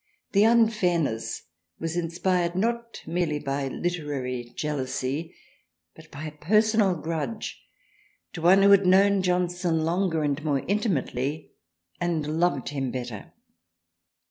The unfairness was inspired not merely by literary jealousy but by a personal grudge to one who had known Johnson longer and more intimately and loved him better.